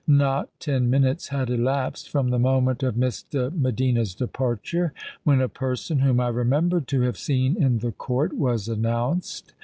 Not ten minutes had elapsed from the moment of Miss de Medina's departure, when a person, whom I remembered to have seen in the court, was announced.